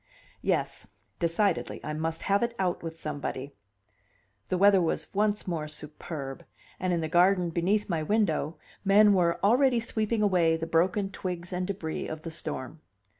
Yes; decidedly I must have it out with somebody. The weather was once more superb; and in the garden beneath my window men were already sweeping away the broken twigs and debris of the storm.